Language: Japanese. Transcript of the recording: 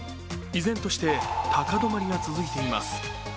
依然として高止まりが続いています。